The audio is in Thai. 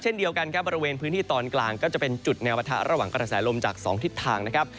เช่นเดียวกันครับบริเวณพื้นที่ตอนกลางก็จะเป็นจุดแนวปะทะระหว่างกระแสลมจาก๒ทิศทางนะครับ